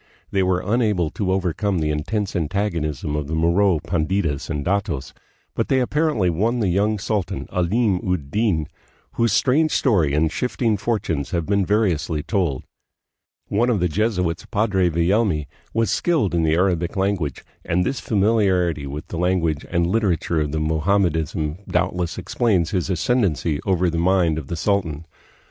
They were unable to overcome the intense antagonism of the Moro panditas and datos, but they apparently won the young sultan, Alim ud Din, whose strange story and shifting fortunes have been variously told. One of the Jesuits, Padre Villelmi, was skilled in the Arabic language, and this familiarity with the language and literature of Mo hammedanism doubtless explains his ascendency over the mind of the sultan.